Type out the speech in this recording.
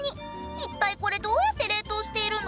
一体これどうやって冷凍しているの？